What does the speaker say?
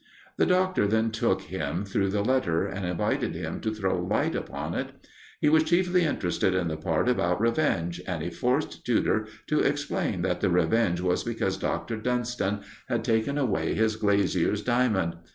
The Doctor then took him through the letter, and invited him to throw light upon it. He was chiefly interested in the part about revenge, and he forced Tudor to explain that the revenge was because Dr. Dunston had taken away his glazier's diamond.